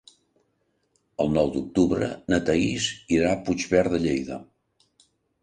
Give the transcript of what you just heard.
El nou d'octubre na Thaís irà a Puigverd de Lleida.